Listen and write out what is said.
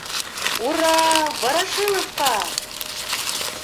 — Ура Ворошиловҡа!